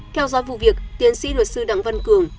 theo dõi vụ việc tiến sĩ luật sư đặng vân cường